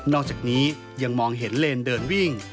อกจากนี้ยังมองเห็นเลนเดินวิ่ง